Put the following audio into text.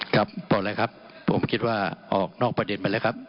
ครับบอกเลยครับ